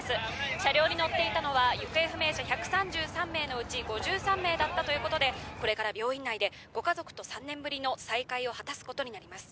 車両に乗っていたのは行方不明者１３３名のうち５３名だったということでこれから病院内でご家族と３年ぶりの再会を果たすことになります